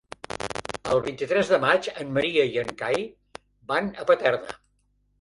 El vint-i-tres de maig en Maria i en Cai van a Paterna.